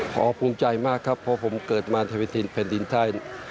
ขอภูมิใจมากครับเพราะผมเกิดมาทวิทินแผ่นดินไทย